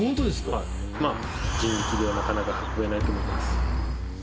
人力ではなかなか増えないと思います。